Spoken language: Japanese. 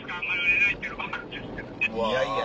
いやいや。